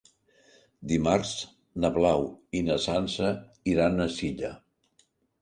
Dimarts na Blau i na Sança iran a Silla.